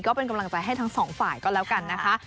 ก็เป็นกำลังใจให้ทั้งสองฝ่ายก็แล้วกันนะคะ